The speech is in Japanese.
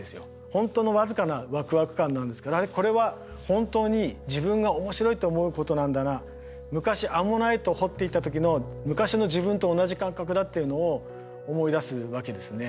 本当の僅かなワクワク感なんですけどあれこれは本当に自分が面白いと思うことなんだな昔アンモナイトを掘っていた時の昔の自分と同じ感覚だっていうのを思い出すわけですね。